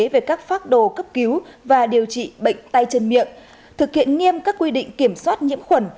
về các phác đồ cấp cứu và điều trị bệnh tay chân miệng thực hiện nghiêm các quy định kiểm soát nhiễm khuẩn